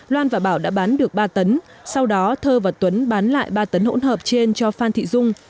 loan và bảo đã bán được ba tấn sau đó thơ và tuấn bán lại ba tấn hỗn hợp trên cho phan thị dung